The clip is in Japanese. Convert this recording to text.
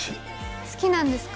好きなんですか？